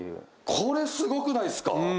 これすごくないですか？